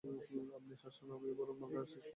আপনি আসুন আমি বরং মালটা শেষ করি।